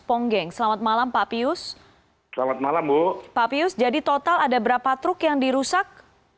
ponggeng selamat malam pak pius selamat malam bu pak pius jadi total ada berapa truk yang dirusak